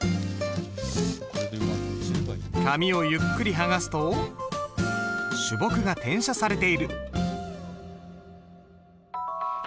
紙をゆっくり剥がすと朱墨が転写されている。